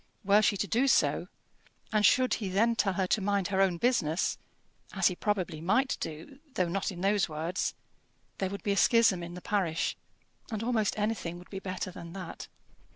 Were she to do so, and should he then tell her to mind her own business as he probably might do, though not in those words there would be a schism in the parish; and almost anything would be better than that.